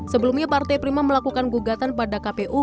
sebelumnya partai prima melakukan gugatan pada kpu